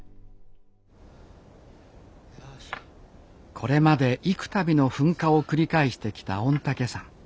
これまで幾たびの噴火を繰り返してきた御嶽山。